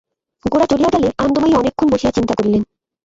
গোরা চলিয়া গেলে আনন্দময়ী অনেকক্ষণ বসিয়া চিন্তা করিলেন।